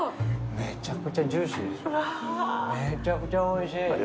めちゃくちゃおいしい。